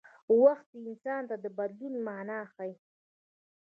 وخت انسان ته د بدلون مانا ښيي.